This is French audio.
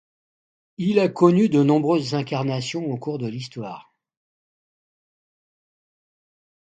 Il a connu de nombreuses incarnations au cours de l'histoire.